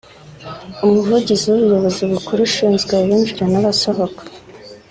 umuvugizi w’Ubuyobozi bukuru bushinzwe abinjira n’abasohoka